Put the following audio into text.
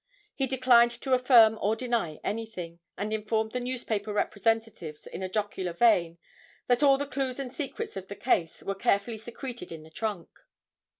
He declined to affirm or deny anything, and informed the newspaper representatives in a jocular vein that all the clues and secrets of the case were carefully secreted in the trunk.